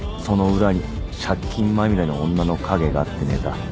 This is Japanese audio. その裏に借金まみれの女の影がってネタ。